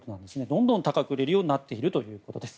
どんどん高く売れるようになっているということです。